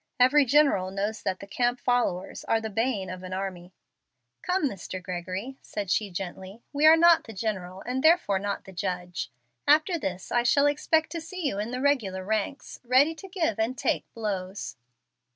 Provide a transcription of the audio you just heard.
Every general knows that the 'camp followers' are the bane of an army." "Come, Mr. Gregory," said she, gently, "we are not the general, and therefore not the judge. After this I shall expect to see you in the regular ranks, ready to give and take blows."